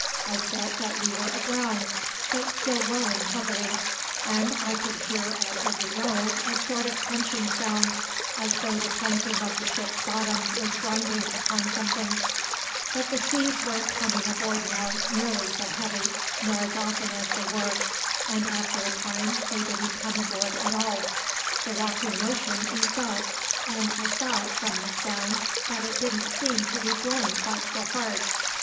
I felt that we were aground, but still rolling heavily, and I could hear at every roll a sort of crunching sound, as though the planking of the ship's bottom was grinding upon something; but the seas weren't coming aboard now nearly so heavy nor so often as they were, and after a time they didn't come aboard at all; the rocking motion eased up, and I thought, from the sound, that it didn't seem to be blowin' quite so hard.